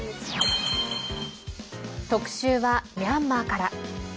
特集はミャンマーから。